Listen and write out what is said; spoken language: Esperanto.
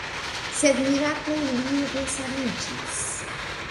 Sed mirakle li resaniĝis.